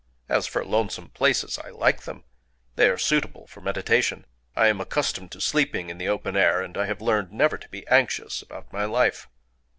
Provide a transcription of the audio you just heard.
As for lonesome places, I like them: they are suitable for meditation. I am accustomed to sleeping in the open air: and I have learned never to be anxious about my life."